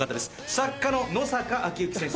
作家の野坂昭如先生です。